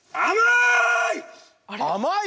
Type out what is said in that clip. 甘い？